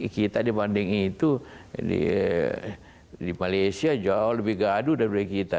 kita dibanding itu di malaysia jauh lebih gaduh daripada kita